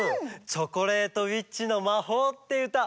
「チョコレートウィッチの魔法」っていううた。